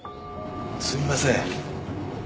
すみません。